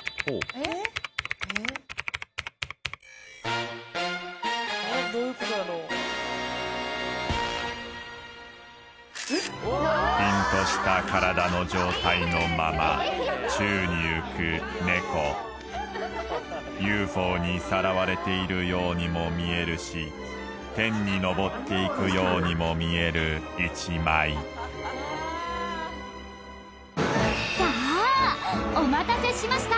・えっどういうことだろうピンとした体の状態のまま宙に浮くネコＵＦＯにさらわれているようにも見えるし天に昇っていくようにも見える１枚さあお待たせしました